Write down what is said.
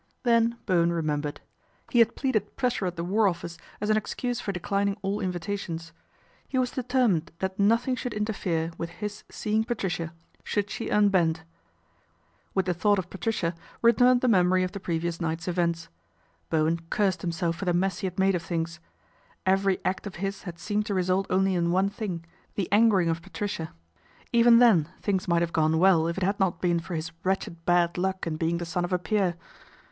Then Bowen remembered. He had pleaded pressure at the War Office as an excuse for declin ing all invitations. He was determined that nothing should interfere with his seeing Patricia should she unbend. With the thought of Patricia returned the memory of the previous night's events. Bowen cursed himself for the mess he had made of things. Every act of his had seemed to result only in one thing, the angering of Pat ricia. Even then things might have gone well if it had not been for his wretched bad luck in being the son of a peer.